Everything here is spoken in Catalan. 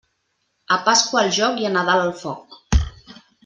A Pasqua el joc i a Nadal el foc.